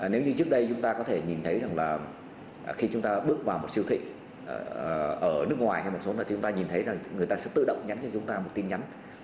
nếu như trước đây chúng ta có thể nhìn thấy rằng là khi chúng ta bước vào một siêu thị ở nước ngoài hay một số là chúng ta nhìn thấy là người ta sẽ tự động nhắn cho chúng ta một tin nhắn